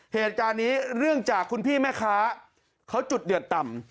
เหตุการณ์นี้เรื่องจากคุณพี่แม่ค้าเขาจุดเดือดต่ำ